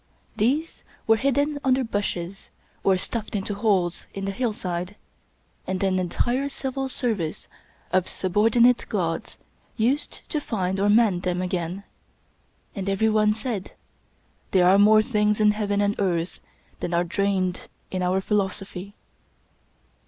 These were hidden under bushes, or stuffed into holes in the hillside, and an entire civil service of subordinate gods used to find or mend them again; and everyone said: "There are more things in heaven and earth than are dreamed of in our philosophy."